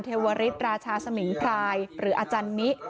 เทวริสราชาสมิงพรายหรืออาจารย์นิ